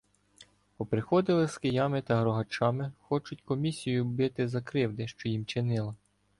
Поприходили з киями та рогачами, хочуть комісію бити за кривди, що їм чинила.